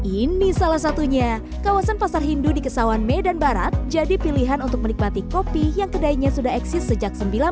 ini salah satunya kawasan pasar hindu di kesawan medan barat jadi pilihan untuk menikmati kopi yang kedainya sudah eksis sejak seribu sembilan ratus delapan puluh